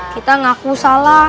kita ngaku salah